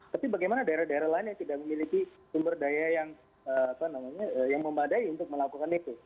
tapi bagaimana daerah daerah lain yang tidak memiliki sumber daya yang memadai untuk melakukan itu